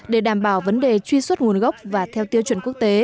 để đảm bảo vấn đề truy xuất của các hộ dân